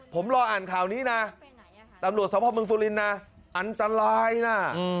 ผมรออ่านข่าวนี้นะตำรวจสมภาพเมืองสุรินทร์นะอันตรายนะ